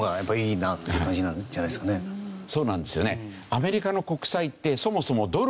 そうなんですよね。